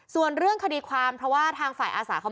ส่วนเรื่องคดีความเพราะว่าทางฝ่ายอาสาเขา